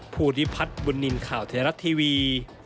ผู้ที่พัดบุญนินข่าวเทียรักทีวี